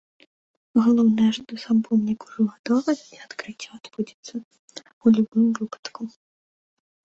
Галоўнае, што сам помнік ужо гатовы, і адкрыццё адбудзецца ў любым выпадку.